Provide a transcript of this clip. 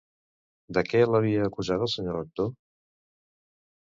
De què l'havia acusat el senyor Rector?